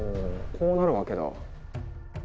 こうなるわけだ。